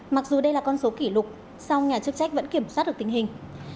mặc dù đây là con số kỷ lục song nhà chức trách vẫn kiểm soát được tình hình